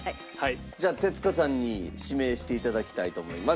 じゃあ徹子さんに指名して頂きたいと思います。